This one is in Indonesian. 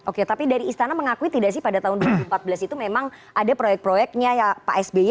oke tapi dari istana mengakui tidak sih pada tahun dua ribu empat belas itu memang ada proyek proyeknya pak sby